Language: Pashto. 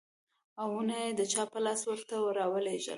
او نه يې د چا په لاس ورته راولېږل .